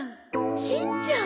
しんちゃん。